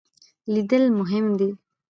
لیدل مهم دی.